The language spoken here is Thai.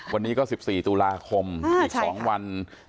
วันนี้ก็๑๔ตุลาคมอีก๒วัน